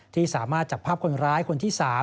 ที่สามารถจับภาพคนร้ายคนที่๓